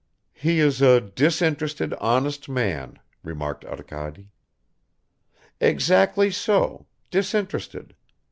"He is a disinterested, honest man," remarked Arkady. "Exactly so, disinterested.